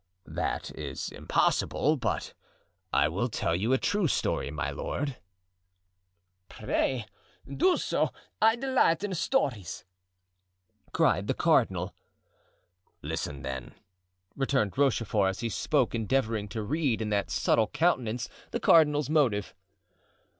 "That is impossible; but I will tell you a true story, my lord." "Pray do so, I delight in stories," cried the cardinal. "Listen, then," returned Rochefort, as he spoke endeavoring to read in that subtle countenance the cardinal's motive.